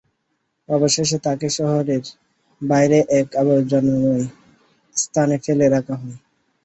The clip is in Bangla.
অবশেষে তাঁকে শহরের বাইরে এক আবর্জনাময় স্থানে ফেলে রাখা হয়।